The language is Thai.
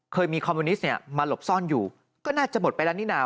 เคยมีคอมมิวนิสต์เนี่ยมาหลบซ่อนอยู่ก็น่าจะหมดไปแล้วนี่นา